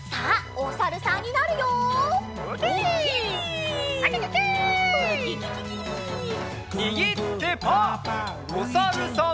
おさるさん。